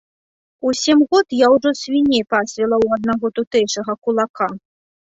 У сем год я ўжо свіней пасвіла ў аднаго тутэйшага кулака.